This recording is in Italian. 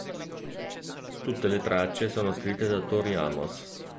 Tutte le tracce sono scritte da Tori Amos.